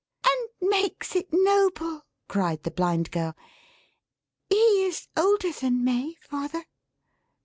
"And makes it noble!" cried the Blind Girl. "He is older than May, father."